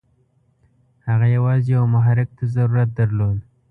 هغه یوازې یوه محرک ته ضرورت درلود.